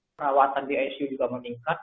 perawatan di icu juga meningkat